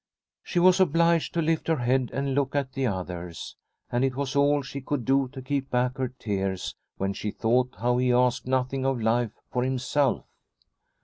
She was obliged to lift her head and look at the others, and it was all she could do to keep back her tears when she thought how he asked nothing of life for himself.